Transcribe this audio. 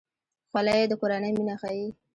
خولۍ د کورنۍ مینه ښيي.